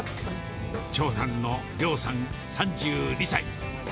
長男の亮さん３２歳。